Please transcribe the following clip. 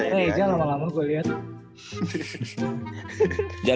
eh aja lama lama gua liat